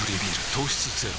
糖質ゼロ